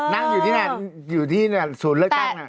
นั่งอยู่ที่นั่นอยู่ที่ศูนย์เลือกตั้ง